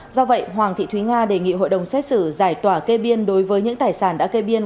do vậy hoàng thị thúy nga đề nghị hội đồng xét xử giải tỏa kê biên đối với những tài sản đã kê biên